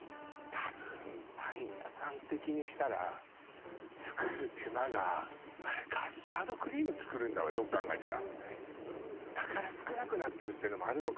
多分パン屋さん的にしたらあれカスタードクリーム作るんだわよく考えたらはいだから少なくなってるってのもあるのかもね